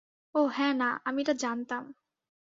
ওহ, হ্যা, না, আমি এটা জানতাম।